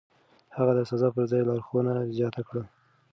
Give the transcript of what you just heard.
هغه د سزا پر ځای لارښوونه زياته کړه.